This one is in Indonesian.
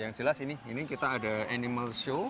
yang jelas ini kita ada animal show